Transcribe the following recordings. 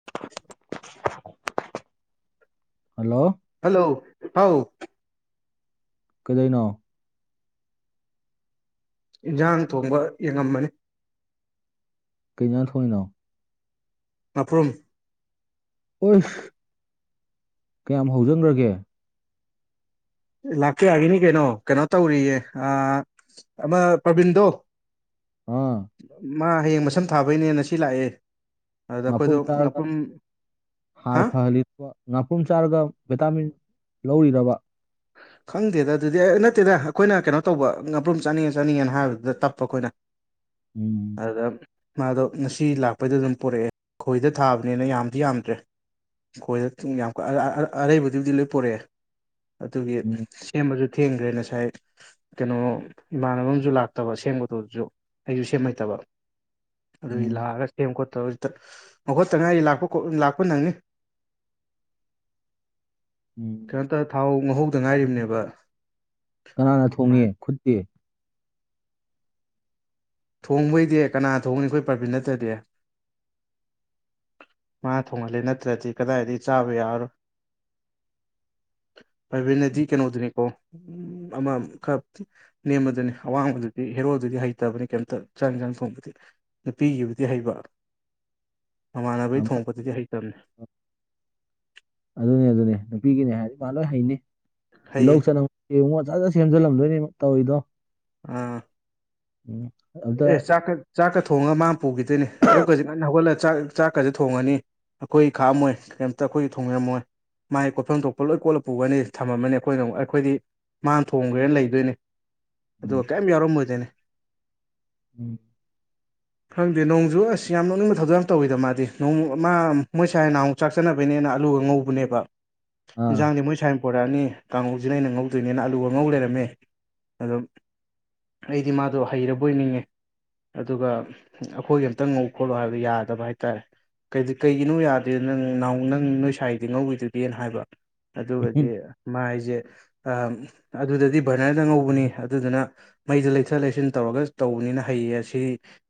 [inaudible] [inaudible] hello hello ꯍꯥꯎ ꯀꯩꯗꯩꯅꯣ ꯏꯟꯖꯥꯡ ꯊꯣꯡꯕ ꯌꯦꯡꯉꯝꯕꯅꯦ ꯀꯩ ꯏꯟꯖꯥꯡ ꯊꯣꯡꯉꯤꯅꫭ ꯉꯥꯄ꯭ꯔꯨꯝ ꯎꯏꯁ ꯀꯌꯥꯝ ꯍꯧꯖꯟꯒ꯭ꯔꯒꯦ ꯂꯥꯛꯄ ꯌꯥꯒꯤꯅꯤ ꯀꯩꯅꯣ ꯀꯩꯅꯣ ꯇꯧꯔꯤꯌꯦ ꯑ ꯑꯃ ꯄ꯭ꯔꯕꯤꯟꯗꯣ ꯑꯥ ꯃꯥ ꯍꯌꯦꯡ ꯃꯁꯝ ꯊꯥꯕꯩꯅꯦꯅ ꯉꯁꯤ ꯂꯥꯛꯑꯦ ꯑꯗꯨꯗ ꯑꯩꯈꯣꯏꯗꯣ ꯉꯥꯄ꯭ꯔꯨꯝ ꯆꯥꯔꯒ ꯉꯥꯄ꯭ꯔꯨꯝ ꯍꯥ ꯍꯥꯔ ꯐꯍꯜꯂꯤ [unintelligible] ꯉꯥꯄ꯭ꯔꯨꯝ ꯆꯥꯔꯒ ꯕꯤꯇꯥꯃꯤꯟ ꯂꯧꯔꯤꯔꯕ ꯈꯪꯗꯦꯗ ꯑꯗꯨꯗꯤ ꯑꯦ ꯅꯠꯇꯦꯗ ꯑꯈꯣꯏꯅ ꯀꯩꯅꯣ ꯇꯧꯕ ꯉꯥꯄ꯭ꯔꯨꯝ ꯆꯥꯅꯤꯡꯉꯦ ꯆꯥꯅꯤꯡꯉꯦꯅ ꯍꯥꯏꯕꯗꯨꯗ ꯇꯞꯄ ꯑꯈꯣꯏꯅ ꯎꯝ ꯑꯗ ꯃꯥꯗꯣ ꯉꯁꯤ ꯂꯥꯛꯄꯩꯗ ꯑꯗꯨꯝ ꯄꫭꯔꯛꯑꯦ ꯈꯣꯏꯗ ꯊꯥꯕꯅꯤꯅ ꯌꯥꯝꯗꯤ ꯌꯥꯝꯗ꯭ꯔꯦ ꯈꯣꯏꯗ [unintelligible] ꯑꯔꯩꯕꯗꯨꯕꯨꯗꯤ ꯂꯣꯏ ꯄꫭꯔꯛꯑꯦ ꯑꯗꯨꯒꯤ ꯎꯝ ꯁꯦꯝꯕꯖꯨ ꯊꯦꯡꯒ꯭ꯔꯦ ꯉꯁꯥꯏ ꯀꯩꯅꯣ ꯏꯃꯥꯟꯅꯕ ꯑꯝꯖꯨ ꯂꯥꯛꯇꯕ [unintelligible] ꯑꯩꯖꯨ ꯁꯦꯝ ꯍꯩꯇꯕ ꯑꯗꯨꯒꯤ ꯎꯝ ꯂꯥꯛꯑꯒ ꯁꯦꯝ ꯈꯣꯠꯇꯧ [unintelligible] ꯍꯧꯒꯠꯇ ꯉꯥꯏ ꯂꯥꯛꯄ ꯂꯥꯛꯄ ꯅꯪꯅꯤ ꯎꯝ [unintelligible] ꯊꯥꯎ ꯉꯧꯍꯧꯗ ꯉꯥꯏꯔꯤꯝꯅꯦꯕ ꯀꯅꯥꯅ ꯊꯣꯡꯉꯤ ꯈꯨꯠꯇꯤ ꯊꯣꯡꯕꯩꯗꯤ ꯀꯅꯥ ꯊꯣꯡꯅꯤ ꯑꯈꯣꯏ ꯄ꯭ꯔꯕꯤꯟ ꯅꯠꯇ꯭ꯔꯗꯤ ꯃꯥ ꯊꯣꯡꯍꯜꯂꯦ ꯅꯠꯇ꯭ꯔꯗꯤ ꯀꯗꯥꯏꯗꯩ ꯆꯥꯕ ꯌꯥꯔꯔꯣꯏ [inaudible] ꯄ꯭ꯔꯕꯤꯟ ꯍꯥꯏꯗꯤ ꯀꯩꯅꯣꯗꯨꯅꯤꯀꯣ ꯑꯃ ꯈꯔ ꯅꯦꯝꯕꯗꯨꯅꯤ ꯑꯋꯥꯡꯕꯗꯨꯗꯤ ꯍꯦꯔꯣꯗꯨꯗꯤ ꯍꯩꯇꯕꯅꯦ ꯀꯩꯝꯇ ꯆꯛ ꯏꯟꯖꯥꯡ ꯊꯣꯡꯕꯗꯤ ꯅꯨꯄꯤꯒꯤꯕꯨꯗꯤ ꯍꯩꯕ ꯃꯃꯥꯟꯅꯕꯩ ꯑꯃ ꯊꯣꯡꯉꯛꯄꯗꯗꯤ ꯍꯩꯇꯝꯅꯦ ꯑꯗꯨꯅꯦ ꯑꯗꯨꯅꯦ ꯅꯨꯄꯤꯒꯤꯅꯦ ꯍꯥꯏꯗꯤ ꯃꯥ ꯂꯣꯏ ꯍꯩꯅꯤ ꯇꯤꯜꯂꯧ ꯍꯩꯌꯦ ꯆꯅꯝ ꯌꯦꯡꯉꯣ ꯖꯠꯖꯠ ꯁꯦꯝꯖꯜꯂꯝꯗꯣꯏꯅꯦ ꯇꯧꯔꯤꯗꯣ ꯑ [unintelligible] ꯑꯦ ꯆꯥꯛꯀ ꯆꯥꯛꯀ ꯊꯣꯡꯉꯒ ꯃꯥ ꯄꯨꯒꯤꯗꯣꯏꯅꯦ ꯑꯌꯨꯛꯀꯖꯦ ꯉꯟꯅ ꯍꯧꯒꯠꯂ ꯆꯥꯛ ꯆꯥꯛꯀꯖꯦ ꯊꯣꯡꯉꯅꯤ ꯑꯩꯈꯣꯏ ꯈꯥꯛꯑꯝꯃꯣꯏ ꯀꯔꯤꯝꯇ ꯑꯩꯈꯣꯏ ꯊꯣꯡꯕꯤꯔꯝꯃꯣꯏ ꯃꯥꯏ ꯀꯣꯠꯐꯝ ꯊꯣꯛꯄ ꯂꯣꯏ ꯀꯣꯜꯂ ꯄꯨꯒꯅꯤ ꯊꯝꯃꯝꯃꯅꯤ ꯑꯩꯈꯣꯏꯅ ꯑꯃ ꯑꯩꯈꯣꯏꯗꯤ ꯃꯥꯡ ꯊꯣꯡꯈ꯭ꯔꯦꯅ ꯂꯩꯗꯣꯏꯅꯤ ꯎꯝ ꯑꯗꯨꯒ ꯀꯩꯝ ꯌꯥꯎꯔꯝꯃꯣꯏꯗꯣꯏꯅꯦ [inaudible] ꯈꯪꯗꯦ ꯅꯣꯡꯖꯨ ꯑꯁ ꯌꯥꯝ ꯅꯣꯛꯅꯤꯡꯕ ꯊꯧꯗꯣꯛ ꯌꯥꯝ ꯇꯧꯋꯤꯗ ꯃꯥꯗꯤ ꯅꯣꯡ ꯃꯥ ꯃꯣꯏ ꯁꯥꯏ ꯅꯍꯥꯟꯃꯨꯛ ꯆꯥꯛ ꯆꯅꯕꯩꯅꯦꯅ ꯑꯂꯨꯒ ꯉꯧꯕꯅꯦꯕ ꯑꯥ ꯏꯟꯖꯥꯡꯗꯤ ꯃꯣꯏ ꯁꯥꯏ ꯄꯨꯣꯔꯛꯑꯅꯤ ꯀꯥꯡꯉꯧꯁꯤꯅ ꯑꯩꯅ ꯉꯧꯗꯣꯏꯅꯤꯅ ꯑꯂꯨꯒ ꯉꯧ ꯂꯩꯔꯝꯃꯦ ꯑꯗꯣ ꯑꯩꯗꯤ ꯃꯥꯗꯣ ꯍꯩꯔꯕꯣꯏ ꯅꯤꯡꯉꯦ ꯑꯗꯨꯒ ꯑꯩꯈꯣꯏꯒꯤ ꯑꯝꯇ ꯉꯧ ꯈꯣꯠꯂꯨ ꯍꯥꯏꯕꯗꯣ ꯌꯥꯗꯕ ꯍꯥꯏꯇꯥꯔꯦ ꯀꯩꯒꯤꯅꯣ ꯌꯥꯗꯔꯤꯗꯦ ꯅꯪ ꯅꯧ ꯅꯪ ꯅꯣꯢ ꯁꯥꯏꯗꯤ ꯉꯧꯋꯤꯗꯨꯗꯤꯅ ꯍꯥꯏꯕ ꯑꯗꯨꯒꯗꯤ ꯃꯥꯥꯏꯁꯦ ꯑ ꯑꯗꯨꯗꯗꯤ ꯕꯔꯅꯔꯗ ꯉꯧꯕꯅꯤ ꯑꯗꯨꯗꯨꯅ ꯃꯩꯗ ꯂꯩꯊ ꯂꯩꯁꯤꯟ ꯇꯧꯔꯒ ꯇꯧꯕꯅꯤꯅ ꯍꯩꯌꯦ ꯑꯁꯤ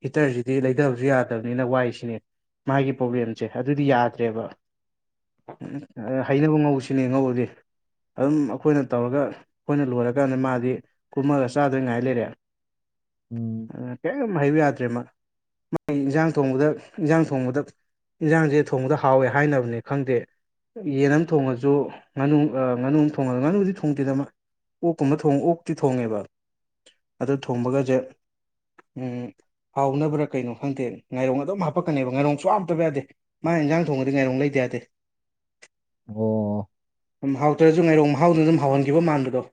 ꯍꯤꯇꯔꯁꯤꯗꯤ ꯂꯩꯊꯕꯁꯨ ꯌꯥꯗꯕꯅꯤꯅ ꯋꯥꯏꯁꯤꯅꯦ ꯃꯥꯒꯤ ꯎꯝ ꯄ꯭ꯔꯣꯕ꯭ꯂꯦꯝꯁꯦ ꯑꯗꯨꯗꯤ ꯌꯥꯗ꯭ꯔꯦꯕ ꯎ ꯍꯩꯅꯕ ꯉꯧꯁꯤꯅꯦ ꯉꯧꯔꯗꯤ ꯑꯗꯨꯝ ꯑꯩꯈꯣꯏꯅ ꯇꯧꯔꯒ ꯑꯩꯈꯣꯏꯅ ꯂꯣꯏꯔꯀꯥꯟꯗ ꯃꯥꯗꯤ ꯀꯨꯝꯃꯒ ꯆꯥꯗꯣꯢꯉꯥꯏ ꯂꯩꯔꯦ ꯎꯝ ꯑꯗꯨꯅ ꯀꯔꯤꯝ ꯍꯩꯕ ꯌꯥꯗ꯭ꯔꯦ ꯃꯥ ꯃꯒꯤ ꯏꯟꯖꯥꯡ ꯊꯣꯡꯕꯗ ꯏꯟꯖꯥꯡ ꯊꯣꯡꯕꯗ ꯏꯟꯁꯥꯡꯁꯦ ꯊꯣꯡꯕꯗ ꯍꯥꯎꯋꯦ ꯍꯥꯏꯅꯕꯅꯤ ꯈꯪꯗꯦ ꯌꯦꯟ ꯑꯃ ꯊꯣꯡꯉꯁꯨ ꯉꯥꯅꯨ ꯉꯥꯅꯨ ꯊꯣꯡꯉꯁꯨ ꯉꯥꯅꯨꯗꯤ ꯊꯣꯡꯗꯦꯗꯃ ꯑꯣꯛꯀꯨꯝꯕ ꯊꯣꯡ ꯑꯣꯛꯇꯤ ꯊꯣꯡꯉꯦꯕ ꯑꯗꯨ ꯊꯣꯡꯕꯒꯁꯦ ꯎꯝ ꯍꯥꯎꯅꯕ꯭ꯔꯥ ꯀꯩꯅꯣ ꯈꯪꯗꯦ ꯉꯥꯏꯔꯣꯡ ꯑꯗꯨꯝ ꯍꯥꯞꯄꯛꯀꯅꯦꯕ ꯉꯥꯏꯔꯣꯡꯁꯨ ꯍꯥꯞꯇꯕ ꯌꯥꯗꯦ ꯃꯥꯢ ꯢꯟꯖꯥꯡ ꯊꯣꯡꯉꯗꯤ ꯉꯥꯢꯔꯣꯡ ꯂꯩꯗ ꯌꯥꯗꯦ ꯑꯣ ꯎꯝ ꯍꯥꯎꯇ꯭ꯔꯁꯨ ꯉꯥꯏꯔꯣꯡ ꯍꯥꯎꯗꯨꯅ ꯑꯗꯨꯝ ꯍꯥꯎꯍꯟꯈꯤꯕ ꯃꯥꯟꯕꯗꯣ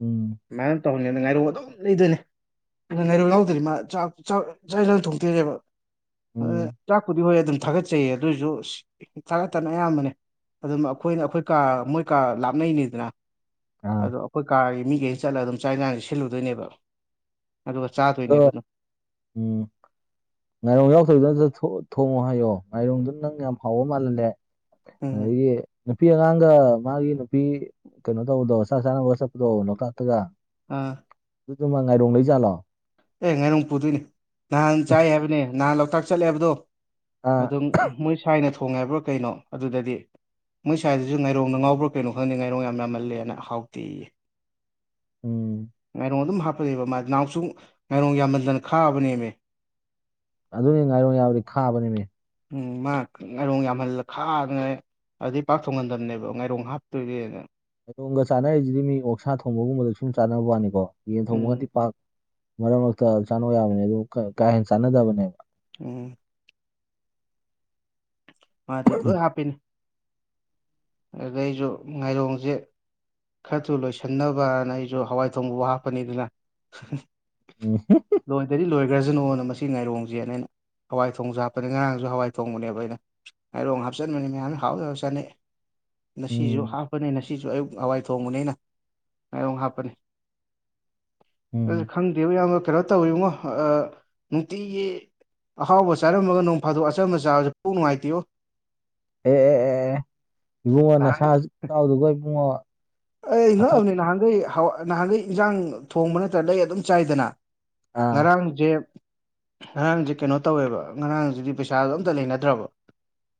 ꯎꯝ ꯑꯃꯥꯏꯅ ꯇꯧꯍꯟ ꯉꯥꯏꯔꯣꯡ ꯑꯗꯨꯝ ꯂꯩꯗꯣꯏꯅꯦ ꯑꯗꯨ ꯉꯥꯏꯔꯧ ꯂꯥꯎꯗꯣꯏꯅꯤ ꯃꯥꯥꯛ ꯆꯥꯛꯖ ꯊꯣꯡꯇꯣꯏꯔꯕ ꯎꯝ ꯆꯥꯛꯄꯨꯗꯤ ꯍꯣꯏ ꯑꯗꯨꯝ ꯊꯥꯒꯠꯆꯩꯌꯦ ꯑꯗꯨꯑꯣꯏꯁꯨ ꯊꯥꯒꯠꯇꯅ ꯑꯌꯥꯝꯕꯅꯦ ꯑꯗꯨꯝ ꯑꯩꯈꯣꯏꯅ ꯑꯩꯈꯣꯏ ꯀꯥ ꯃꯣꯏ ꯀꯥ ꯂꯥꯞꯅꯩꯅꯤꯗꯅ ꯑꯥ ꯑꯗꯣ ꯑꯩꯈꯣꯏ ꯀꯥꯔꯒꯤ ꯃꯤꯈꯩꯁꯤ ꯆꯠꯂꯒ ꯑꯗꯨꯝ ꯆꯥꯛ ꯢꯁꯥꯡꯁꯤ ꯁꯤꯜꯂꯨꯗꯣꯏꯅꯦꯕ ꯑꯗꯨꯒ ꯑꯗꯣ ꯆꯥꯗꯣꯏꯅꯦꯕ ꯑꯗꯨꯝ ꯎꯝ ꯉꯥꯏꯔꯣꯡ ꯌꯥꯎꯗꯣꯏꯗꯅ ꯊꯣꯡꯉꯣ ꯍꯥꯏꯌꯣ ꯉꯥꯏꯔꯣꯡꯗꯨ ꯅꯪ ꯌꯥꯝ ꯍꯥꯎꯕ ꯃꯥꯜꯍꯜꯂꯦ ꯎꯝ ꯑꯗꯒꯤ ꯅꯨꯄꯤ ꯑꯉꯥꯡꯒ ꯃꯥꯒꯤ ꯅꯨꯄꯤ ꯀꯩꯅꯣ ꯇꯧꯕꯗꯣ ꯆꯥꯛ ꯆꯥꯅꯕ ꯆꯠꯄꯗꯣ ꯂꯣꯛꯇꯥꯛꯇꯒ ꯑꯥ ꯑꯗꯨꯗꯨ ꯃ ꯉꯥꯏꯔꯣꯡ ꯂꯩ ꯖꯥꯠꯂꯣ ꯑꯦ ꯉꯥꯏꯔꯣꯡ ꯄꯨꯗꯣꯏꯅꯦ ꯅꯍꯥꯟ ꯆꯥꯏ ꯍꯥꯏꯕꯅꯦ ꯅꯍꯥꯟ ꯂꯣꯛꯇꯥꯛ ꯆꯠꯂꯦ ꯍꯥꯏꯕꯗꯣ ꯑꯥ ꯑꯗꯨꯝ ꯃꯣꯏ ꯁꯥꯏꯅ ꯊꯣꯡꯉꯦ ꯍꯥꯏꯕ꯭ꯔꯣ ꯀꯩꯅꯣ ꯑꯗꯨꯗꯗꯤ ꯃꯣꯏ ꯁꯥꯏꯗꯨꯁꯨ ꯉꯥꯏꯔꯣꯡꯗ ꯉꯥꯎꯕ꯭ꯔꯥ ꯀꯩꯅꯣ ꯈꯪꯗꯦ ꯉꯥꯏꯔꯣꯡ ꯌꯥꯝꯃꯜꯂꯦꯅ ꯍꯥꯎꯇꯦꯌꯦ ꯎꯝ ꯉꯥꯏꯔꯣꯡ ꯑꯗꯨꯝ ꯍꯥꯞꯄ ꯂꯩꯕ ꯃꯥ ꯅꯍꯥꯟꯃꯨꯛꯁꯨ ꯉꯥꯏꯔꯣꯡ ꯌꯥꯝꯃꯟꯗꯅ ꯈꯥꯕꯅꯦꯃꯦ ꯑꯗꯨꯅꯤ ꯉꯥꯏꯔꯣꯡ ꯌꯥꯕꯗꯤ ꯈꯥꯕꯅꯦꯃꯦ ꯎꯝ ꯃꯥ ꯉꯥꯢꯔꯣꯡ ꯌꯥꯝꯍꯜꯂ ꯈꯥꯗꯅꯅꯦ ꯑꯗꯩ ꯄꯥꯛ ꯊꯣꯡꯒꯟꯗꯕꯅꯦꯕ ꯉꯥꯏꯔꯣꯡ ꯍꯥꯞꯇꯣꯏꯗꯤꯅ ꯉꯥꯢꯔꯣꯡꯒ ꯆꯥꯅꯔꯤꯁꯤꯗꯤ ꯃꯤ ꯑꯣꯛꯁꯥ ꯊꯣꯡꯕꯒꯨꯝꯕꯗ ꯁꯨꯝ ꯆꯥꯅꯕ ꯋꯥꯅꯤꯀꯣ ꯌꯦꯟ ꯎꯝ ꯊꯣꯡꯕꯒꯗꯤ ꯄꯥꯛ ꯃꯔꯛ ꯃꯔꯛꯇ ꯆꯥꯅꯧ ꯌꯥꯕꯅꯦ ꯑꯗꯨ ꯀꯥ ꯍꯦꯟꯅ ꯆꯥꯟꯅꯗꯕꯅꯦꯕ ꯎꯝ ꯃꯥꯗꯤ ꯂꯣꯢ ꯍꯥꯞꯄꯤꯅꯤ ꯑꯗꯨꯗꯩ ꯑꯩꯖꯨ ꯉꯥꯏꯔꯣꯡꯖꯦ ꯈ꯭ꯔ ꯊꯨꯅ ꯂꯣꯏꯁꯟꯅꯕꯅ ꯑꯩꯖꯨ ꯍꯋꯥꯏ ꯊꯣꯡꯕꯕꯧ ꯍꯥꯞꯄꯅꯤꯗꯅ ꯎꯝ ꯂꯣꯏꯗꯗꯤ ꯂꯣꯏꯈ꯭ꯔꯖꯅꯨꯅ ꯃꯁꯤ ꯉꯥꯏꯔꯣꯡꯖꯦꯅ ꯑꯩꯅ ꯍꯋꯥꯏ ꯊꯣꯡꯕꯁꯨ ꯍꯥꯞꯄꯅꯦ ꯉꯔꯥꯡꯖꯨ ꯍꯋꯥꯏ ꯊꯣꯡꯕꯅꯦꯕ ꯑꯩꯅ ꯉꯥꯢꯔꯣꯡ ꯍꯥꯞꯆꯟꯕꯅꯤ ꯃꯌꯥꯝꯅ ꯍꯧꯋꯤ ꯍꯧꯋꯤ ꯆꯅꯩ ꯉꯁꯤꯖꯨ ꯎꯝ ꯍꯥꯞꯄꯅꯦ ꯅ ꯁꯤꯖꯨ ꯑꯌꯨꯛ ꯍꯋꯥꯏ ꯊꯣꯡꯕꯅꯤ ꯑꯩꯅ ꯉꯥꯏꯔꯣꯡ ꯍꯥꯞꯄꯅꯤ ꯑꯗꯨꯁꯨ ꯎꯝ ꯈꯪꯗꯦꯕ ꯢꯌꯥꯝꯕ ꯀꯩꯅꯣ ꯇꯧꯋꯤꯉꯣ ꯑꯥ ꯅꯨꯡꯇꯤꯒꯤ ꯑꯍꯥꯎꯕ ꯆꯥꯔꯝꯃꯒ ꯅꯣꯡ ꯐꯥꯗꯣꯛ ꯑꯆꯝꯕ ꯆꯥꯕꯖꯦ ꯄꯨꯛ ꯅꯨꯡꯉꯥꯏꯇꯦꯕꯣ ꯑꯦ ꯑꯦ ꯑꯦ ꯏꯕꯨꯡꯉꯣ ꯅꯍꯥꯟ ꯅꯁꯥ ꯁꯛꯇꯗꯨꯒ ꯏꯕꯨꯡꯉꯣ ꯑꯩ ꯑꯆꯧ ꯉꯛꯑꯕꯅꯦ ꯅꯍꯥꯟꯒꯩ ꯍꯥ ꯅꯍꯥꯟꯒꯩ ꯏꯟꯖꯥꯡ ꯊꯣꯡꯕ ꯅꯠꯇ꯭ꯔ ꯂꯩꯔ ꯑꯗꯨꯝ ꯆꯥꯏꯗꯅ ꯑꯥ ꯉꯔꯥꯡꯖꯦ ꯉꯔꯥꯡꯖꯦ ꯀꯩꯅꯣ ꯇꯧꯋꯦꯕ ꯉꯔꯥꯡꯖꯤꯗꯤ ꯄꯩꯁꯥꯖꯨ ꯑꯝꯇ ꯂꯩꯅꯗ꯭ꯔꯕ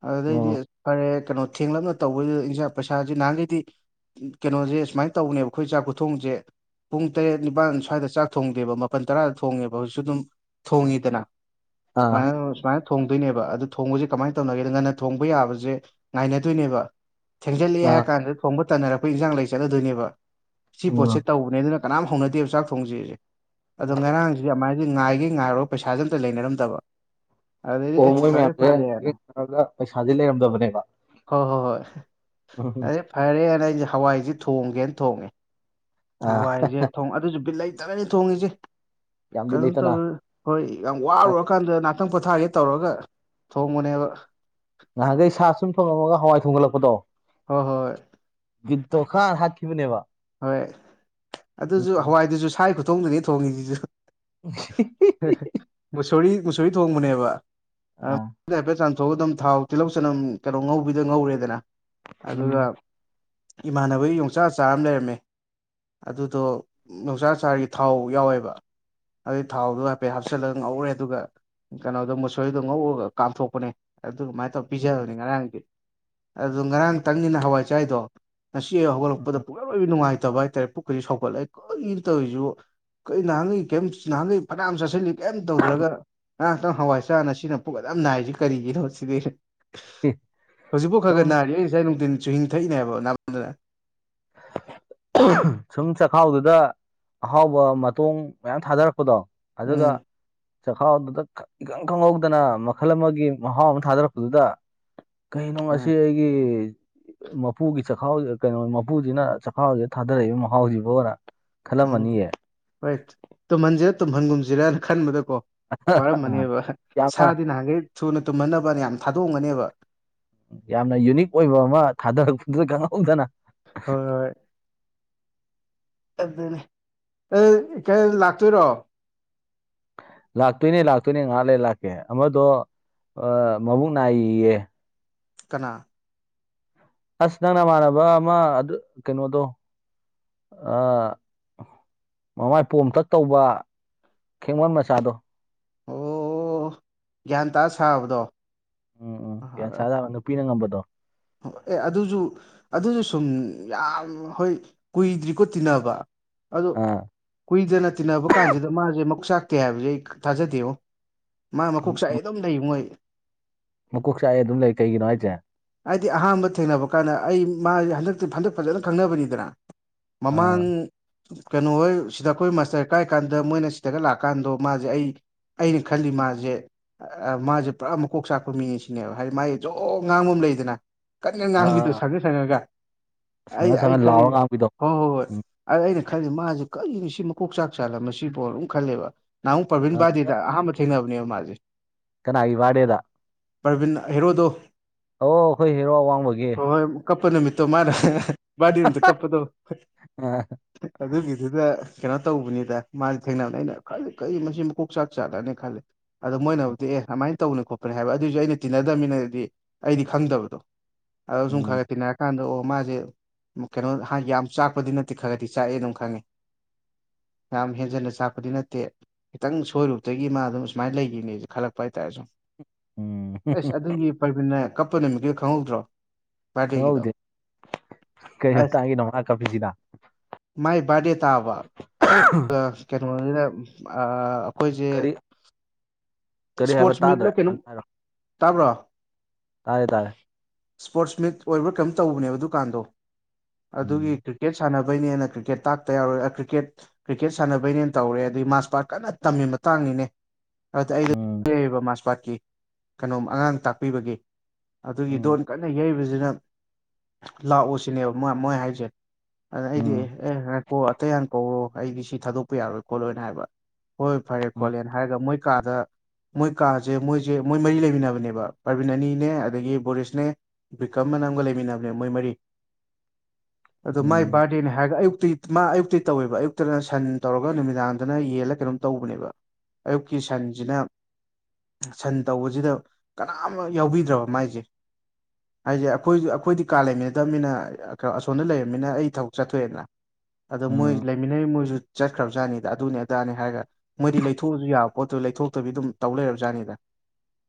ꯑꯗꯨꯗꯩꯗꯤ ꯑꯣ ꯐꯔꯦ ꯀꯩꯅꯣ ꯊꯦꯡꯂꯥꯞꯅ ꯇꯧꯕꯩꯖꯤꯗ ꯏꯟꯖꯥꯡ ꯄꯩꯁꯥꯖꯤ ꯅꯍꯥꯟꯒꯩꯗꯤ ꯀꯩꯅꯣꯖꯦ ꯁꯨꯃꯥꯏ ꯇꯧꯅꯦꯕ ꯑꯈꯣꯏ ꯆꯥꯛ ꯈꯨꯊꯣꯡꯖꯦ ꯄꯨꯡ ꯇꯔꯦꯠ ꯅꯤꯄꯥꯜ ꯁ꯭ꯋꯥꯏꯗ ꯆꯥꯛ ꯊꯣꯡꯗꯦꯕ ꯃꯥꯄꯜ ꯇꯔꯥꯗ ꯊꯣꯡꯉꯦꯕ ꯍꯧꯖꯤꯛꯁꯨ ꯑꯗꯨꯝ ꯊꯣꯡꯉꯤꯗꯅ ꯁꯨꯃꯥꯏ ꯑꯥ ꯑꯗꯨꯝ ꯁꯨꯃꯥꯏ ꯊꯣꯡꯗꯣꯏꯅꯦꯕ ꯑꯗꯨ ꯊꯣꯡꯕꯖꯦ ꯀꯃꯥꯏꯅ ꯇꯧꯅꯒꯦꯗ ꯉꯥꯟꯅ ꯊꯣꯡꯕ ꯌꯥꯕꯖꯦ ꯉꯥꯏꯅꯗꯣꯏꯅꯦꯕ ꯊꯦꯡꯖꯜꯂꯛꯑꯦ ꯑꯥ ꯍꯥꯏꯀꯥꯟꯗ ꯊꯣꯡꯕ ꯇꯥꯟꯅꯔꯛꯄꯩ ꯏꯟꯖꯥꯡ ꯂꯩ ꯆꯥꯠꯅꯗꯣꯏꯅꯦꯕ ꯁꯤ ꯄꯣꯠꯁꯦ ꯎꯝ ꯇꯧꯕꯅꯦ ꯑꯗꯨꯅ ꯀꯅꯥꯝ ꯍꯧꯅꯗꯦꯕ ꯆꯥꯛ ꯊꯣꯡꯖꯦꯖꯦ ꯑꯗꯣ ꯉꯔꯥꯡ ꯑꯗꯨꯃꯥꯏꯅꯗꯤ ꯉꯥꯏꯒꯩ ꯉꯥꯏꯔꯨꯒ ꯄꯩꯁꯥꯖꯦ ꯑꯝꯇ ꯂꯩꯅꯔꯥꯝꯗꯕ ꯑꯣ ꯃꯣꯏ ꯃꯌꯥꯝꯖꯦ [unintelligible] ꯄꯩꯁꯥꯖꯦ ꯂꯩꯔꯝꯗꯕꯅꯦꯕ ꯍꯣꯏ ꯍꯣꯏ ꯍꯣꯏ ꯑꯗꯩ [unintelligible] ꯐꯔꯦꯅ ꯑꯩꯖꯦ ꯍꯋꯥꯏꯖꯦ ꯊꯣꯡꯒꯦꯅ ꯊꯣꯡꯉꯦ ꯑꯥ ꯍꯋꯥꯏꯖꯦ ꯊꯣꯡ ꯑꯗꯨꯖꯨ ꯕꯤꯠ ꯂꯩꯇꯅꯅꯤ ꯊꯣꯡꯉꯤꯖꯦ ꯌꯥꯝꯗꯤ ꯀꯩꯅꯣ ꯂꯩꯇꯅ ꯇꯧꯕꯩ ꯍꯣꯏ ꯌꯥꯝ ꯋꯥꯔꯨꯔꯀꯥꯟꯗ ꯅ ꯉꯥꯛꯇꯪ ꯄꯣꯊꯥꯒꯦ ꯇꯧꯔꯒ ꯊꯣꯡꯕꯅꯦꯕ ꯅꯍꯥꯟꯒꯩ ꯁꯥ ꯁꯨꯝ ꯊꯪꯉꯥꯝꯃꯒ ꯍꯋꯥꯏ ꯊꯣꯡꯒꯠꯂꯥꯛꯄꯗꯣ ꯍꯣꯏ ꯍꯣꯏ ꯍꯣꯏ ꯒꯤꯠꯇꯣ ꯈꯪꯍꯥꯠ ꯍꯥꯠꯈꯤꯕꯅꯦꯕ ꯍꯣꯏ ꯑꯗꯨꯖꯨ ꯎꯝ ꯍꯋꯥꯏꯗꯨꯖꯨ ꯁꯥꯒꯤ ꯈꯨꯊꯣꯡꯗꯅꯦ ꯊꯣꯡꯉꯤꯖꯤꯖꯨ [unintelligible] ꯃꯨꯁꯣꯔꯤ ꯃꯨꯁꯣꯔꯤ ꯊꯣꯡꯕꯅꯦꯕ ꯑꯥ [unintelligible] ꯊꯣꯛꯉꯥ ꯑꯗꯨꯝ ꯊꯥꯎ ꯇꯤꯜꯂꯧ ꯆꯅꯝ ꯀꯩꯅꯣ ꯉꯧꯕꯤꯗ ꯉꯧꯔꯦꯗꯅ ꯎꯝ ꯑꯗꯨꯒ ꯏꯃꯥꯟꯅꯕꯒꯤ ꯌꯣꯡꯆꯥꯛ ꯑꯆꯥꯔ ꯑꯃ ꯂꯩꯔꯝ ꯃꯦ ꯑꯗꯨꯗꯣ ꯌꯣꯡꯆꯥꯛ ꯑꯆꯥꯔꯒꯤ ꯊꯥꯎ ꯌꯥꯎꯋꯦꯕ ꯑꯗꯨꯏ ꯊꯥꯎꯗꯣ ꯍꯥꯏꯐꯦꯠ ꯍꯥꯞꯆꯤꯜꯂ ꯉꯧꯔꯦ ꯑꯗꯨꯒ ꯀꯩꯅꯣꯗꯣ ꯃꯨꯁꯣꯔꯤꯗꯣ ꯉꯧꯔꯒ ꯀꯥꯝꯊꯣꯛꯄꯅꯦ ꯑꯗꯨꯃꯥꯏꯅ ꯇꯧ ꯄꯤꯖꯕꯅꯤ ꯉꯔꯥꯡꯗꯤ ꯑꯗꯨ ꯉꯔꯥꯡꯇꯪꯅꯤꯅ ꯍꯋꯥꯏ ꯆꯥꯏꯗꯣ ꯉꯁꯤ ꯑꯌꯨꯛ ꯍꯧꯒꯠꯂꯥꯛꯄꯗ ꯎꯝ ꯄꯨꯛ ꯑꯔꯣꯏꯕꯤ ꯅꯨꯡꯉꯥꯏꯇꯕ ꯍꯥꯏꯇꯥꯔꯦ ꯄꯨꯛꯀꯖꯦ ꯁꯥꯎꯒꯠꯂꯦ ꯀꯔꯤꯅꯣ ꯇꯧꯔꯤꯖꯤꯕꯨ ꯀꯩ ꯅꯍꯥꯟꯒꯩ ꯀꯦꯝ ꯅꯍꯥꯟꯒꯩ ꯐꯅꯤꯌꯥꯝ ꯆꯥꯁꯤꯜꯂꯤ ꯀꯩꯝ ꯇꯧꯗ꯭ꯔꯒ ꯉꯔꯥꯡꯇꯪ ꯍꯋꯥꯏ ꯆꯥꯔꯒ ꯅꯁꯤꯅ ꯄꯨꯛ ꯑꯗꯨꯛꯌꯥꯝ ꯅꯥꯏꯖꯤ ꯀꯔꯤꯒꯤꯅꯣ ꯁꯤꯅꯤ ꯍꯧꯖꯤꯛꯐꯧ ꯈ ꯁꯨꯝ ꯒ ꯅꯥꯔꯤ ꯑꯩ ꯉꯁꯥꯏ ꯅꯨꯡꯗꯤꯟ ꯆꯨꯍꯤꯡ ꯊꯥꯛꯏꯅꯦꯕ ꯅꯥꯃꯟꯗꯅ [unintelligible] ꯁꯨꯝ ꯆꯈꯥꯎꯗꯨꯗ ꯑꯍꯥꯎꯕ ꯃꯇꯣꯡ ꯃꯌꯥꯝ ꯊꯥꯗꯔꯛꯄꯗꯣ ꯑꯗꯨꯒ ꯎꯝ ꯆꯈꯥꯎꯗꯨꯗ ꯈꯪ ꯏꯈꯪ ꯈꯪꯍꯧꯗꯅ ꯃꯈꯜ ꯑꯃꯒꯤ ꯃꯍꯥꯎ ꯑꯃ ꯊꯥꯗꯔꯛꯄꯗꯨꯗ ꯀꯩꯅꯣ ꯉꯁꯤ ꯑꯩꯒꯤ ꯃꯄꯨꯒꯤ ꯆꯈꯥꯎ ꯑ ꯀꯩꯅꯣ ꯃꯞ ꯄꯨꯖꯤꯅ ꯆꯈꯥꯎꯖꯤꯗ ꯊꯥꯗꯔꯛꯏꯕ ꯃꯍꯥꯎꯖꯤꯕꯣꯅ ꯎꯝ ꯍꯣꯏ ꯇꯨꯝꯍꯟꯖꯤꯔ ꯇꯨꯝꯍꯟꯒꯨꯝꯖꯤꯔꯅ ꯈꯟꯕꯗꯀꯣ ꯑꯥ ꯋꯥꯔꯝꯃꯅꯤꯕ ꯍ ꯌꯥꯝꯅ ꯁꯥꯗꯤ ꯅꯍꯥꯟꯒꯩ ꯊꯨꯅ ꯇꯨꯝꯍꯟꯅꯕꯅ ꯌꯥꯝ ꯊꯥꯗꯣꯛꯑꯝꯒꯅꯤꯕ ꯌꯥꯝꯅ ꯌꯨꯅꯤꯛ ꯑꯣꯏꯕ ꯑꯃ ꯊꯥꯗꯔꯛꯄꯗꯨꯗ ꯈꯪꯍꯧꯗꯅ ꯍꯣꯏ ꯑꯗꯨꯅꯤ ꯑꯩ ꯀꯩ ꯂꯥꯛꯇꯨꯏꯔꯣ ꯂꯥꯛꯇꯨꯏꯅꯦ ꯂꯥꯛꯇꯨꯢꯅꯦ ꯉꯍꯥꯛ ꯂꯩꯔ ꯂꯥꯛꯀꯦ ꯑꯃꯗꯣ ꯑ ꯃꯕꯨꯛ ꯅꯥꯏꯌꯦꯌꯦ ꯀꯅꯥ ꯑꯁ ꯅꯪ ꯅꯃꯥꯟꯅꯕ ꯑꯃ ꯑꯗꯨ ꯀꯩꯅꯣꯗꯣ ꯑꯥ ꯃꯃꯥꯏ ꯄꯣꯝꯇꯛ ꯇꯧꯕ ꯈꯦꯛꯃꯟ ꯃꯆꯥꯗꯣ ꯑꯣ ꯒ꯭ꯌꯥꯟ ꯇꯥ ꯁꯥꯕꯗꯣ ꯎꯝ ꯎꯝ ꯒ꯭ꯌꯥꯟꯁꯥ ꯖꯥꯕ ꯅꯨꯄꯤꯅ ꯉꯝꯕꯗꯣ ꯑꯦ ꯑꯗꯨꯖꯨ ꯑꯗꯨꯖꯨ ꯁꯨꯝ ꯌꯥꯝ ꯍꯣꯏ ꯀꯨꯏꯗ꯭ꯔꯤꯀꯣ ꯇꯤꯟꯅꯕ ꯑꯗꯣ ꯑꯥ ꯀꯨꯏꯗꯅ ꯇꯤꯟꯅꯕ ꯀꯥꯟꯖꯤꯗ ꯃꯥꯖꯦ ꯃꯀꯣꯛ ꯆꯥꯛꯇꯦ ꯍꯥꯏꯕꯖꯦ ꯑꯩ ꯊꯥꯖꯗꯦꯕꯣ ꯃꯥ ꯃꯀꯣꯛ ꯆꯥꯛꯑꯦ ꯑꯗꯨꯝ ꯂꯩꯉꯣ ꯑꯩ ꯃꯀꯣꯛ ꯆꯥꯛꯑꯦ ꯑꯗꯨꯝ ꯂꯩ ꯀꯩꯒꯤꯅꯣ ꯍꯥꯏꯖꯦ ꯑꯩꯗꯤ ꯑꯍꯥꯟꯕ ꯊꯦꯡꯅꯕ ꯀꯥꯟꯗ ꯑꯩ ꯃꯥꯖꯦ ꯍꯟꯗꯛꯇ ꯍꯟꯗꯛ ꯐꯖꯅ ꯈꯪꯅꯕꯅꯤꯗꯅꯥ ꯑꯥ ꯃꯃꯥꯡ ꯀꯩꯅꯣ ꯍꯣꯏ ꯁꯤꯗ ꯑꯈꯣꯏ ꯃꯥꯁꯇꯔ ꯀꯥꯏ ꯀꯥꯟꯗ ꯃꯣꯏꯅ ꯁꯤꯗꯒ ꯂꯥꯛꯑꯀꯥꯟꯗꯣ ꯃꯥꯖꯦ ꯑꯩ ꯑꯩꯅ ꯈꯜꯂꯤ ꯃꯥꯖꯦ ꯑ ꯑ ꯃꯥꯖꯦ ꯄꯨꯔꯥ ꯃꯀꯣꯛ ꯆꯥꯛꯄ ꯃꯤꯅꯤ ꯁꯤꯅꯦꯕ ꯍꯥꯏꯗꯤ ꯃꯥꯖꯦ ꯖꯣ ꯉꯥꯡꯕ ꯑꯝ ꯂꯩꯗꯅ ꯀꯟ ꯀꯟ ꯉꯥꯡꯕꯤꯗꯣ ꯑꯥ ꯁꯪꯉ ꯁꯪꯉꯒ ꯑꯩ ꯁꯪꯉ ꯑꯩ ꯁꯪꯉ ꯂꯥꯎꯔ ꯈꯜꯂꯤꯅꯦ ꯉꯥꯡꯕꯤꯗꯣ ꯍꯣ ꯍꯣ ꯍꯣꯏ ꯎꯝ ꯑꯗ ꯑꯩꯅ ꯈꯜꯂꯤ ꯃꯥꯖꯦ ꯀꯩꯔꯤꯅꯣ ꯁꯤ ꯃꯀꯣꯛ ꯆꯥꯛ ꯆꯥꯜꯂꯥ ꯃꯁꯤꯕꯣ ꯑꯗꯨꯝ ꯈꯜꯂꯦꯕ ꯅꯍꯥꯟꯃꯨꯛ ꯄ꯭ꯔꯕꯤꯟ ꯕꯥꯔꯗꯦꯗ ꯑꯍꯥꯟꯕ ꯊꯦꯡꯅꯕꯅꯦꯕ ꯃꯥꯖꯦ ꯀꯅꯥꯒꯤ ꯕꯥꯔꯗꯦꯗ ꯄ꯭ꯔꯕꯤꯟ ꯍꯦꯔꯣꯗꯣ ꯑꯣ ꯑꯈꯣꯏ ꯍꯦꯔꯣ ꯑꯋꯥꯡꯕꯒꯤ ꯍꯣꯏ ꯍꯣꯏ ꯀꯞꯄ ꯅꯨꯃꯤꯠꯇꯣ ꯃꯥꯅ [unintelligible] ꯕꯥꯔꯗꯦ ꯅꯨꯃꯤꯠꯇ ꯀꯞꯄꯗꯣ ꯑꯗꯨꯒꯤꯗꯨꯗ ꯀꯩꯅꯣ ꯇꯧꯕꯅꯤꯗ ꯃꯥꯖꯦ ꯊꯦꯡꯅꯕꯗ ꯑꯩꯅ ꯈꯜꯂꯤ ꯀꯩ ꯃꯁꯤ ꯃꯀꯣꯛ ꯆꯥꯛ ꯆꯥꯠꯂꯅꯦ ꯈꯜꯂꯦ ꯑꯗꯣ ꯃꯣꯏꯅꯕꯨꯗꯤ ꯑꯦ ꯑꯃꯥꯏꯟ ꯇꯧꯕꯅꯦ ꯈꯣꯠꯄꯅꯦ ꯍꯥꯏꯕ ꯑꯗꯨꯏꯖꯨ ꯑꯩꯅ ꯇꯤꯟꯅꯗꯝꯅꯤꯅ ꯑꯩꯗꯤ ꯑꯩꯗꯤ ꯈꯪꯗꯕꯗꯣ ꯑꯗꯣ ꯁꯨꯝ ꯎꯝ ꯈꯔꯒ ꯇꯤꯟꯅꯔꯀꯥꯟꯗ ꯑꯣ ꯃꯥꯖꯦ ꯃ ꯀꯩꯅꯣ ꯍꯥꯏ ꯌꯥꯝ ꯆꯥꯛꯄꯗꯤ ꯅꯠꯇꯦ ꯈꯔꯒꯗꯤ ꯆꯥꯛꯑꯦ ꯑꯗꯨꯝ ꯈꯪꯉꯦ ꯌꯥꯝ ꯍꯦꯟꯖꯟꯅ ꯆꯥꯛꯄꯗꯤ ꯅꯠꯇꯦ ꯈꯤꯇꯪ ꯁꯣꯏꯔꯨꯕꯗꯒꯤ ꯃꯥ ꯑꯗꯨꯝ ꯁꯨꯃꯥꯏꯟ ꯂꯩꯒꯤꯝꯅꯦꯖꯦ ꯈꯜꯂꯛꯄ ꯍꯥꯏꯇꯥꯔꯦ ꯁꯨꯝ ꯎꯝ ꯑꯩꯁ ꯑꯗꯨꯒꯤ ꯄ꯭ꯔꯕꯤꯟꯟꯅ ꯀꯞꯄ ꯅꯨꯃꯤꯠꯀꯤꯗꯣ ꯈꯪꯍꯧꯗ꯭ꯔꯣ ꯕꯥꯔꯗꯦꯒꯤꯗꯣ ꯀꯩ ꯑꯁ ꯃꯇꯥꯡꯒꯤꯅꯣ ꯃꯥ ꯀꯞꯄꯤꯖꯤꯅ ꯃꯥꯏ ꯕꯥꯔꯗꯦ ꯇꯥꯕ ꯑꯗꯨꯒ ꯀꯩꯅꯣꯖꯤꯅ ꯑꯥ ꯑꯈꯣꯏꯖꯦ ꯀꯔꯤ ꯀꯔꯤ ꯍꯥꯏꯕ ꯏꯁ꯭ꯄꯣꯔꯠꯁ ꯇꯥꯗ꯭ꯔꯦ ꯃꯤꯠꯂ ꯀꯩꯅꯣꯝ ꯑꯝꯇ ꯇꯥꯕ꯭ꯔꯣ ꯇꯥꯢꯌꯦ ꯇꯥꯔꯦ ꯁ꯭ꯄꯣꯔꯠꯁ ꯃꯤꯠ ꯑꯣꯏꯕ꯭ꯔꯥ ꯀꯩꯌꯝ ꯇꯧꯕꯅꯦꯕ ꯑꯗꯨꯀꯥꯟꯗꯣ ꯑꯗꯨꯒꯤ ꯄ꯭ꯔꯤ ꯎꯝ ꯀ꯭ꯔꯤꯀꯦꯠ ꯁꯥꯟꯅꯕꯩꯅꯦꯅ ꯀꯔꯤꯀꯦꯠ ꯇꯥꯛꯇ ꯌꯥꯔꯣꯏ ꯑꯥ ꯀ꯭ꯔꯤꯀꯦꯠ ꯀ꯭ꯔꯤꯀꯦꯠ ꯁꯥꯟꯅꯕꯩꯅꯦꯅ ꯇꯧꯔꯦ ꯑꯗꯩ ꯃꯥꯔꯁ ꯄꯥꯔꯠ ꯀꯟꯅ ꯇꯝꯃꯤ ꯃꯇꯥꯡꯅꯤꯅꯦ ꯑꯗ ꯑꯩꯗꯤ ꯎꯝ ꯏꯔꯩꯕ ꯃꯥꯔꯁ ꯄꯥꯠꯀꯤ ꯀꯩꯅꯣꯝ ꯑꯉꯥꯡ ꯇꯥꯛꯄꯤꯕꯒꯤ ꯑꯗꯨꯒꯤ ꯎꯝ ꯗꯣꯟ ꯀꯟꯅ ꯌꯩꯕꯖꯤꯗ ꯂꯥꯛꯑꯣꯁꯤꯅꯦꯕ ꯃ ꯃꯣꯏ ꯍꯥꯏꯖꯦ ꯑꯗ ꯑꯩꯗꯤ ꯎꯝ ꯑꯦ ꯉꯥꯏꯈꯣ ꯑꯇꯩ ꯍꯥꯟꯅ ꯀꯧꯔꯣ ꯑꯩꯗꯤ ꯁꯤ ꯊꯥꯗꯣꯛꯄ ꯌꯥꯔꯣꯏ ꯈꯣꯠꯂꯣꯏꯅ ꯍꯥꯏꯕ ꯍꯣꯏ ꯐꯔꯦ ꯎꯝ ꯈꯣꯠꯂꯦꯅ ꯍꯥꯏꯔꯒ ꯃꯣꯏ ꯀꯥꯗ ꯃꯣꯏ ꯀꯥꯖꯦ ꯃꯣꯏꯖꯦ ꯃꯣꯏ ꯃꯔꯤ ꯂꯩꯃꯤꯟꯅꯕꯅꯦꯕ ꯄ꯭ꯔꯕꯤꯟ ꯑꯅꯤꯅꯦ ꯑꯗꯒꯤ ꯕꯣꯔꯤꯁꯅꯦ ꯕꯤꯀ꯭ꯔꯝ ꯑꯅ ꯑꯝꯒ ꯂꯩꯃꯤꯟꯅꯕꯅꯦ ꯃꯣꯏ ꯃꯔꯤ ꯑꯗꯣ ꯃꯥꯏ ꯎꯝ ꯕꯥꯔꯗꯦꯅꯦ ꯍꯥꯏꯔꯒ ꯑꯌꯨꯛꯇꯩ ꯃꯥ ꯑꯌꯨꯛꯇꯩ ꯇꯧꯋꯦꯕ ꯑꯌꯨꯛꯇꯅ ꯁꯟ ꯇꯧꯔꯒ ꯅꯨꯃꯤꯗꯥꯡꯗꯅ ꯌꯦꯜꯂ ꯀꯩꯅꯣꯝ ꯇꯧꯕꯅꯦꯕ ꯑꯌꯨꯛꯀꯤ ꯁꯟꯖꯤꯅ ꯁꯟ ꯇꯧꯕꯖꯤꯗ ꯀꯅꯥꯝꯃ ꯌꯥꯎꯕꯤꯗ꯭ꯔꯕ ꯃꯥꯏꯖꯦ ꯍꯥꯏꯖꯦ ꯑꯩꯈꯣꯏꯖꯨ ꯑꯩꯈꯣꯏꯗꯤ ꯀꯥ ꯂꯩꯃꯤꯟꯅꯗꯕꯅꯤꯅ ꯀꯥ ꯑꯁꯣꯝꯗ ꯂꯩꯔꯕꯅꯤꯅ ꯑꯩ ꯊꯕꯛ ꯆꯠꯊꯣꯛꯑꯦꯗꯅ ꯑꯗꯣ ꯃꯣꯏ ꯎꯝ ꯂꯩꯃꯤꯟꯅꯔꯤꯕ ꯃꯣꯏꯖꯨ ꯆꯠꯈ꯭ꯔꯕꯖꯥꯠꯅꯤꯗ ꯑꯗꯨꯅꯤ ꯑꯗꯥꯅꯦ ꯍꯥꯏꯔꯒ ꯃꯣꯏꯗꯤ ꯂꯩꯊꯣꯛꯑꯁꯨ ꯌꯥꯕ ꯄꯣꯠꯇꯨ ꯂꯩꯊꯣꯛ ꯇꯕꯤ ꯑꯗꯨꯝ ꯇꯧ ꯂꯩꯔꯕꯖꯥꯠꯅꯤꯗ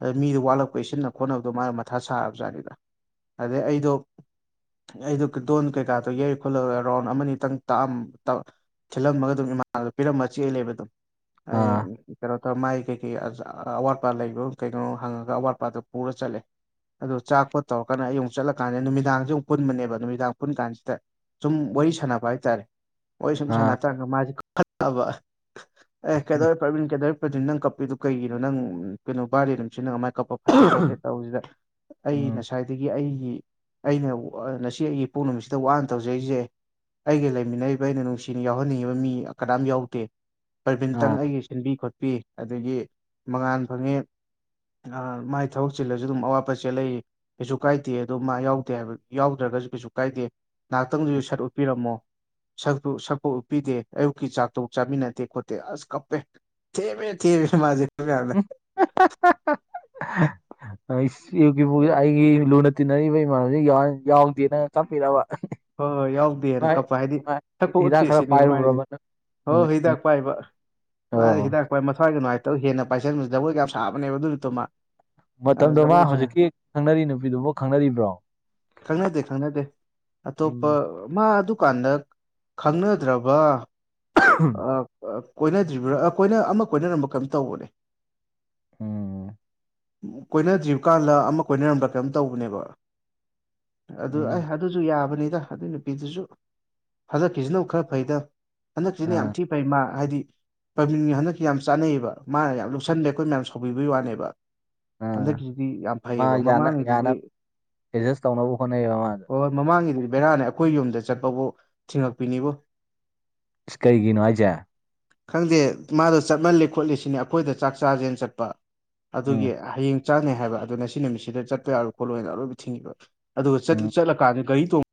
ꯑꯗꯩ ꯃꯤꯗꯣ ꯋꯥꯠꯂꯛꯄꯩ ꯁꯤꯟꯅ ꯈꯣꯠꯅꯕꯗꯣ ꯃꯥ ꯃꯊꯥ ꯁꯥꯔꯕꯖꯥꯠꯅꯤꯗ ꯑꯗꯩ ꯑꯩꯗꯣ ꯑꯩꯗꯨ ꯗꯣꯟ ꯀꯩꯀꯥꯗꯣ ꯌꯩ ꯈꯣꯠꯂꯒ ꯔꯥꯎꯟ ꯑꯃꯅꯤꯇꯪ ꯇꯥꯛꯑꯝ ꯇꯥ ꯊꯤꯜꯂꯝꯃꯒ ꯑꯗꯨꯝ ꯏꯃꯥꯟꯅꯕꯗ ꯄꯤꯔꯝꯕ ꯆꯦꯜꯂꯦꯕ ꯑꯗꯨꯝ ꯑꯩ ꯑꯥ ꯀꯩꯅꯣ ꯇꯧꯔ ꯃꯥꯏ ꯀꯩꯩ ꯒꯤ ꯑꯆꯥ ꯑꯋꯥꯠꯄꯥ ꯂꯩꯕ꯭ꯔꯣ ꯀꯩꯅꯣ ꯍꯪꯉꯒ ꯑꯋꯥꯠꯄꯥꯗꯣ ꯄꯨꯔ ꯆꯠꯂꯦ ꯑꯗꯣ ꯆꯥꯈꯣꯠ ꯇꯧꯔꯀꯥꯟꯗ ꯑꯩ ꯑꯃꯨꯛ ꯆꯠꯂꯀꯥꯟꯗ ꯅꯨꯃꯤꯗꯥꯡꯖꯨ ꯑꯃꯨꯛ ꯄꯨꯟꯕꯅꯦꯕ ꯅꯨꯃꯤꯗꯥꯡ ꯄꯨꯟ ꯀꯥꯟꯁꯤꯗ ꯁꯨꯝ ꯋꯥꯔꯤ ꯁꯥꯟꯅꯕ ꯍꯥꯏꯇꯥꯔꯦ ꯋꯥꯔꯤ ꯁꯨꯝ ꯑꯥ ꯁꯥꯟꯅꯔꯀꯥꯟꯗ ꯃꯥꯖꯦ ꯀꯞꯈꯠꯂꯛꯑꯕ ꯑꯦ ꯎꯝ ꯀꯩꯗꯧꯔꯦ ꯄ꯭ꯔꯕꯤꯟ ꯀꯩꯗꯧꯔꯦ ꯄ꯭ꯔꯕꯤꯟ ꯅꯪ ꯀꯞ ꯄꯤꯗꯨ ꯀꯩꯒꯤꯅꯣ ꯅꯪ ꯀꯩꯅꯣ ꯕꯥꯔꯗꯦ ꯅꯨꯡꯃꯤꯠꯁꯤꯅ ꯅꯪ ꯑꯃꯥꯏ ꯀꯞꯄ ꯐꯠꯇꯦ ꯈꯣꯠꯇꯦ ꯇꯧꯕꯖꯤꯗ ꯑꯩ ꯎꯝ ꯉꯁꯥꯏ ꯗꯒꯤ ꯑꯩꯒꯤ ꯑꯩꯅ ꯉꯁꯤ ꯑꯩꯒꯤ ꯏꯄꯣꯛ ꯅꯨꯃꯤꯠꯁꯤꯗ ꯋꯥꯅ ꯇꯧꯖꯔꯤꯖꯦ ꯑꯩꯒ ꯂꯩꯃꯤꯟꯅꯔꯤꯕ ꯑꯩꯅ ꯅꯨꯡꯁꯤꯅ ꯌꯥꯎꯍꯟꯅꯤꯡꯉꯤꯕ ꯃꯤ ꯀꯅꯥꯝ ꯌꯥꯎꯗꯦ ꯄꯔꯚꯤꯟꯇꯪ ꯑꯥ ꯑꯩꯒꯤ ꯁꯤꯟꯕꯤ ꯈꯣꯠꯄꯤ ꯑꯗꯒꯤ ꯃꯉꯥꯥꯟ ꯐꯪꯉꯦ ꯑ ꯃꯥꯏ ꯊꯕꯛ ꯆꯤꯜꯂꯁꯨ ꯑꯗꯨꯝ ꯑꯋꯥꯠꯄ ꯆꯦꯜꯂꯛꯏ ꯀꯩꯁꯨ ꯀꯥꯏꯗꯦ ꯑꯗꯣ ꯃꯥ ꯌꯥꯎꯗꯦ ꯍꯥꯏꯕ ꯌꯥꯎꯗ꯭ꯔꯒꯁꯨ ꯀꯩꯁꯨ ꯀꯥꯏꯗꯦ ꯉꯍꯥꯛꯇꯪꯗꯁꯨ ꯁꯛ ꯎꯠꯄꯤꯔꯝꯃꯣ ꯁꯛꯇꯨ ꯁꯛꯐꯧ ꯎꯠꯄꯤꯗꯦ ꯑꯌꯨꯛꯀꯤ ꯆꯥꯛꯇꯣꯣ ꯆꯥꯃꯤꯟꯅꯗꯦ ꯈꯣꯠꯇꯦ ꯑꯁ ꯀꯞꯄꯦ ꯊꯦꯝꯃꯦ ꯊꯦꯝꯃꯦ ꯃꯥꯖꯦ ꯑꯩꯈꯣꯢ ꯃꯌꯥꯝꯅ ꯑꯩꯁ [unintelligible] ꯍꯣꯏ ꯑꯩꯒꯤ ꯂꯨꯅ ꯇꯤꯟꯅꯔꯤꯕ ꯏꯃꯥꯟꯅꯕꯁꯤꯡ [unintelligible] ꯌꯥꯎꯗꯦꯅ ꯀꯥꯞꯄꯤꯔꯕ ꯍꯣꯏ ꯍꯣꯏ ꯌꯥꯎꯗꯦꯅ ꯀꯞꯄ ꯍꯥꯏꯗꯤ ꯁꯛꯄꯧ ꯍꯤꯗꯥꯛ ꯎꯠꯇꯦ ꯈꯔ ꯁꯤꯅꯦꯕ ꯃꯥ ꯍꯥꯢꯖꯤ ꯄꯥꯏꯔꯨꯕ꯭ꯔꯕ ꯅꯪ ꯍꯣ ꯅꯨꯃꯤꯠ ꯍꯤꯗꯥꯛ ꯅꯨꯃꯤꯠ ꯄꯥꯏꯕ ꯃꯥ ꯑꯣ ꯍꯤꯗꯥꯛ ꯄꯥꯏ ꯃꯊ꯭ꯋꯥꯏꯒ ꯅꯨꯡꯉꯥꯢ ꯇꯧ ꯍꯦꯟꯅ ꯄꯥꯏꯁꯟꯕꯗ ꯖꯒꯣꯢꯒ ꯌꯥꯝ ꯁꯥꯕꯅꯦꯕ ꯑꯗꯨ ꯅꯨꯃꯤꯠꯇꯣ ꯃꯥ ꯃꯇꯝꯗꯣ ꯃꯥ ꯖꯒꯣꯏ ꯁꯥ ꯍꯧꯖꯤꯛꯀꯤ ꯈꯪꯅꯔꯤ ꯅꯨꯄꯤꯗꯨꯕꯨ ꯈꯪꯅꯔꯤꯕ꯭ꯔꯣ ꯈꯪꯅꯗꯦ ꯈꯪꯅꯗꯦ ꯑꯇꯣꯞꯄ ꯎꯝ ꯃꯥ ꯑꯗꯨꯀꯥꯟꯗ ꯈꯪꯅꯗ꯭ꯔꯕ ꯑ ꯑ ꯀꯣꯏꯅꯗ꯭ꯔꯤꯕ꯭ꯔꯥ ꯑ ꯀꯣꯏꯅ ꯑꯃ ꯀꯣꯢꯅꯔꯝꯕ꯭ꯔ ꯀꯩꯝ ꯇꯧꯕꯅꯦ ꯎꯝ ꯀꯣꯏꯅꯗ꯭ꯔꯤ ꯀꯥꯟꯂ ꯑꯃ ꯀꯣꯏꯅꯔꯝꯕ꯭ꯔ ꯀꯩꯅꯣꯝ ꯇꯧꯕꯅꯦꯕ ꯑꯗꯨ ꯑꯦ ꯎꯝ ꯑꯗꯨꯖꯨ ꯌꯥꯕꯅꯤꯗ ꯑꯗꯨꯏ ꯅꯨꯄꯤꯗꯨꯖꯨ ꯍꯗꯛꯀꯤꯖꯤꯅꯕꯨ ꯈꯔ ꯐꯩꯗ ꯍꯟꯗꯛꯖꯤꯅ ꯌꯥꯝ ꯑꯥ ꯊꯤ ꯐꯩ ꯃꯥ ꯍꯥꯏꯗꯤ ꯄꯔꯕꯤꯟꯒꯤ ꯍꯟꯗꯛꯀꯤ ꯌꯥꯝ ꯆꯥꯅꯩꯌꯦꯕ ꯃꯥꯅ ꯌꯥꯝ ꯂꯨꯞꯁꯜꯂꯦ ꯑꯩꯈꯣꯏ ꯃꯌꯥꯝ ꯁꯥꯎꯕꯤꯕꯩ ꯋꯥꯅꯦꯕ ꯑꯥ ꯍꯟꯗꯛꯀꯤꯁꯤꯗꯤ ꯌꯥꯝ ꯃꯥ ꯐꯩꯌꯦꯕ ꯌꯥꯅ ꯃꯃꯥꯡꯗꯨꯗꯤ ꯌꯥꯅꯕ ꯑꯦꯗꯖꯁ ꯇꯧꯅꯕ ꯍꯣꯠꯅꯩꯌꯦꯕ ꯃꯥꯗꯣ ꯍꯣꯏ ꯃꯃꯥꯡꯒꯤꯗꯨꯗꯤ ꯕꯦꯔꯥꯅꯦꯕ ꯈꯣꯏ ꯌꯨꯝꯗ ꯆꯠꯄꯕꯧ ꯊꯤꯡꯉꯛꯄꯤꯅꯤꯕꯨ ꯢꯁ ꯀꯩꯒꯤꯅꯣ ꯍꯥꯏꯖꯦ ꯈꯪꯗꯦ ꯃꯥꯗꯣ ꯆꯠꯃꯜꯂꯤ ꯈꯣꯠꯂꯤ ꯁꯤꯅꯤ ꯑꯩꯈꯣꯏꯗ ꯆꯥꯛ ꯆꯥꯁꯦꯅ ꯆꯠꯄ ꯎꯝ ꯑꯗꯨꯒꯤ ꯍꯌꯦꯡ ꯆꯥꯅꯤ ꯍꯥꯏꯕ ꯑꯗꯣ ꯉꯁꯤ ꯅꯨꯃꯤꯠꯁꯤꯗ ꯆꯠꯄ ꯌꯥꯔꯣꯏ ꯈꯣꯠꯂꯣꯏꯅ ꯑꯔꯣꯢꯕꯤ ꯊꯤꯡꯉꯤꯕ ꯑꯗꯣ ꯆꯠ ꯎꯝ ꯆꯠꯂꯀꯥꯟꯗ ꯒꯥꯔꯤ ꯇꯣꯡ